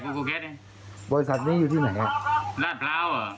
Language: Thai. กูกูแก๊สเนี้ยบริษัทนี้อยู่ที่ไหนอ่ะลาดพร้าวอ่ะ